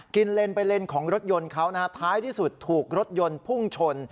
กินเลนส์ไปเลนส์ของรถยนต์เขาท้ายที่สุดถูกรถยนต์พุ่งชน